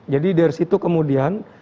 jadi dari situ kemudian